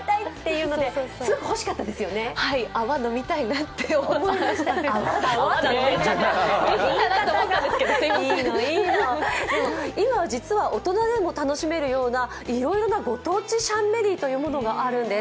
いいのいいの、今実は、大人でも楽しめるようないろいろなご当地シャンメリーというものがあるんです。